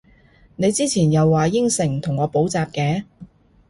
你之前又話應承同我補習嘅？